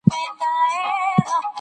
موږ بايد پښتو وکړو.